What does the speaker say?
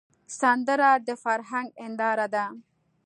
سندره د فرهنګ هنداره ده